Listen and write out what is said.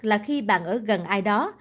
là khi bạn ở gần ai đó